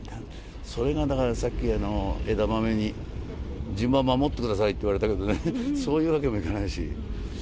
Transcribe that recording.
それがだからさっき、枝豆に、順番守ってくださいって言われたけどね、そういうわけにもいかないし。